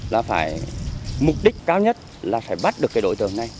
là phải mục đích cao nhất là phải bắt được cái đối tượng này